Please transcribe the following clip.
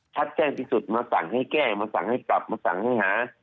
แจ้งที่สุดมาสั่งให้แก้มาสั่งให้กลับมาสั่งให้หา